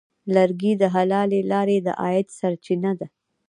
لرګی د حلالې لارې د عاید سرچینه ده.